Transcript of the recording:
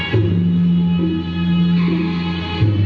สุดท้ายสุดท้ายสุดท้าย